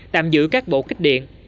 tạm giữ các bộ kích điện